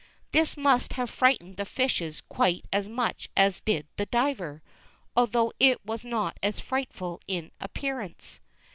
This must have frightened the fishes quite as much as did the diver, although it was not as frightful in appearance.